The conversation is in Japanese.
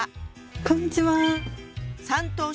こんにちは。